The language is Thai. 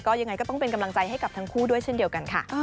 ยังไงก็ต้องเป็นกำลังใจให้กับทั้งคู่ด้วยเช่นเดียวกันค่ะ